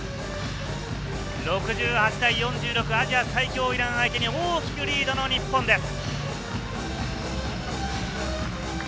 ６８対４６、アジア最強イラン相手に大きくリードの日本です。